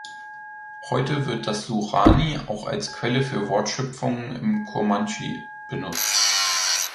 Heute wird das Sorani auch als Quelle für Wortschöpfungen im Kurmandschi benutzt.